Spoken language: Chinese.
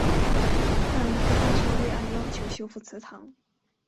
但开发商未按要求修复祠堂。